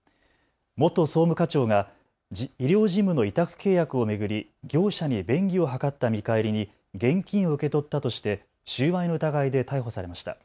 元総務課長が医療事務の委託契約を巡り業者に便宜を図った見返りに現金を受け取ったとして収賄の疑いで逮捕されました。